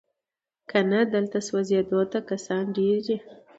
کنه دلته سوځېدو ته کسان ډیر دي